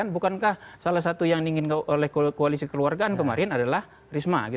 bukankah salah satu yang diinginkan oleh koalisi kekeluargaan kemarin adalah risma